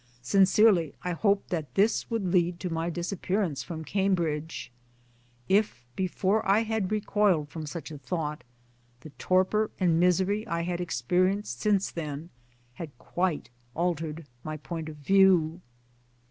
Sincerely I hoped that this would lead to my disappearance from Cambridge. If, before, I had recoiled from such a thought, the torpor and misery I had experienced since then had quite altered my point of view.